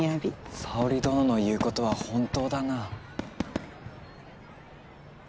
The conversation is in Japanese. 沙織殿の言うことは本当だな。